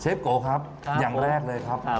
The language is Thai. โกครับอย่างแรกเลยครับ